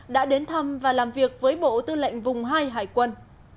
đã đến thăm và làm việc với bộ tư lệnh vùng hai hải quân